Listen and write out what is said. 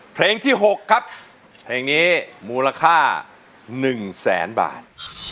เพลงที่๖ครับเพลงนี้มูลค่า๑แสนบาท